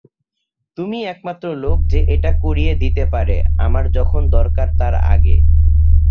তুমিই একমাত্র লোক যে এটা করিয়ে দিতে পারে আমার যখন দরকার তার আগে।